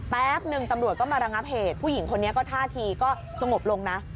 แป๊บนึงตำรวจก็มาระงับเหตุผู้หญิงคนนี้ก็ท่าทีก็สงบลงนะ